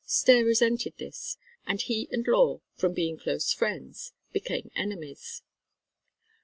Stair resented this, and he and Law from being close friends became enemies.